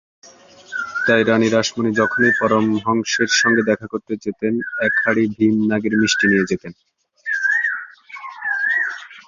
তাই রাণী রাসমণি যখনই পরমহংসের সঙ্গে দেখা করতে যেতেন এক হাঁড়ি ভীম নাগের মিষ্টি নিয়ে যেতেন।